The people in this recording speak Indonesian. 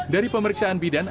dari pemeriksaan bidan